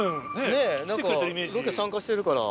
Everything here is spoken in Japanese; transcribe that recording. ねぇロケ参加してるから。